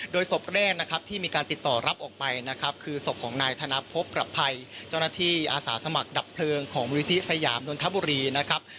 โดยศพแรกนะครับที่มีการติดต่อรับออกไปนะครับคือศพของนายธนพบประภัยเจ้าหน้าที่อาสาสมัครดับเพลิงของมูลนิธิสยามนนทบุรีนะครับ